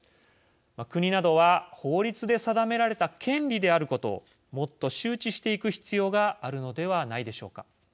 国などは法律で定められた権利であることをもっと周知していく必要があるのではないでしょうか。